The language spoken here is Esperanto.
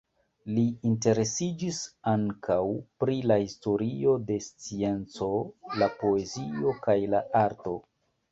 Li interesiĝis ankaŭ pri la historio de scienco, la poezio kaj la arto.